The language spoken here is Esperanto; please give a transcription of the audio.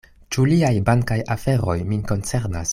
Ĉu liaj bankaj aferoj min koncernas?